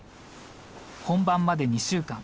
本番まで２週間。